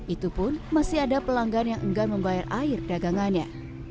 itu pun masih ada pelanggan yang enggan membayar air dagangannya